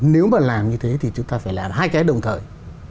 nếu mà làm như thế thì chúng ta phải làm hai cái đồng thời